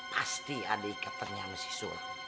pasti ada ikat ternyata si sulam